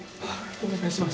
お願いします。